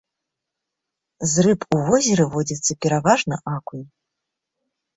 З рыб у возеры водзіцца пераважна акунь.